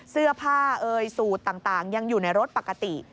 เสื้อผ้าเอ่ยสูตรต่างยังอยู่ในรถปกติ